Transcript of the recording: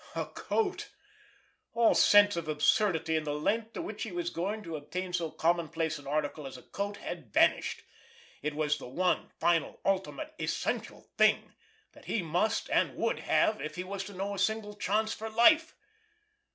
A coat! All sense of absurdity in the length to which he was going to obtain so common place an article as a coat had vanished. It was the one, final, ultimate, essential thing that he must and would have if he was to know a single chance for life.